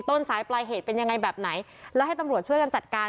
ต้นสายปลายเหตุเป็นยังไงแบบไหนแล้วให้ตำรวจช่วยกันจัดการ